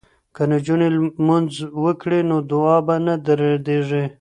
که نجونې لمونځ وکړي نو دعا به نه ردیږي.